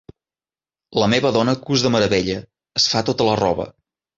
La meva dona cus de meravella: es fa tota la roba.